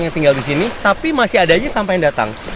yang tinggal di sini tapi masih ada aja sampah yang datang